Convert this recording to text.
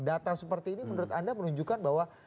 data seperti ini menurut anda menunjukkan bahwa